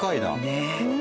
ねえ。